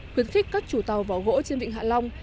khuyến khích các chủ tàu vỏ gỗ trên vịnh hạ long